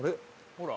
ほら。